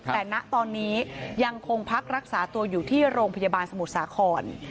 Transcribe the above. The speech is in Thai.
แต่ณตอนนี้ยังคงพักรักษาตัวอยู่ที่โรงพยาบาลสมุทรสาคร